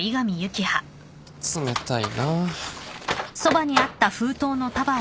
冷たいなあ。